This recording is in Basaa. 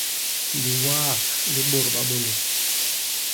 Liwaak li bôt ba bôlô.